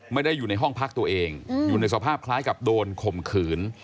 ไม่ได้อยู่ในห้องพักตัวเองอยู่ในสภาพคล้ายกับโดนข่มขืน